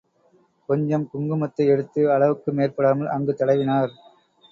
கொஞ்சம் குங்குமத்தை எடுத்து அளவுக்கு மேற்படாமல் அங்கு தடவினார்.